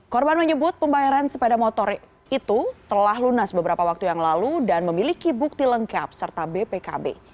korban menyebut pembayaran sepeda motor itu telah lunas beberapa waktu yang lalu dan memiliki bukti lengkap serta bpkb